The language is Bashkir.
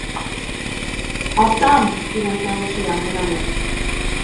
Атам! - тигән тауышы яңғыраны.